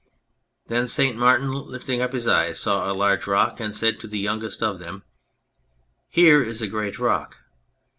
" Then St. Martin, lifting up his eyes, saw a large rock, and said to the youngest of them " Here is a great rock.